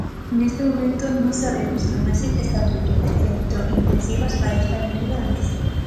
Neste momento, non sabemos cando ese estatuto de electrointensivas vai estar enriba da mesa.